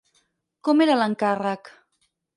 Com era l'encàrrec?